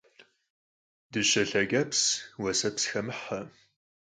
Dışe lhenç'eps, vueseps xemıhe.